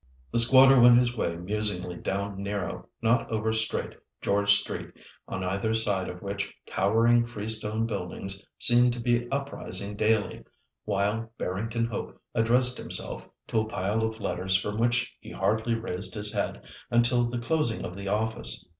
The squatter went his way musingly down narrow, not over straight George Street, on either side of which towering freestone buildings seemed to be uprising daily; while Barrington Hope addressed himself to a pile of letters from which he hardly raised his head until the closing of the office.